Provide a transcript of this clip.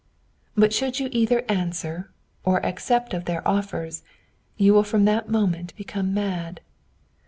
But should you either answer, or accept of their offers, you will from that moment become mad.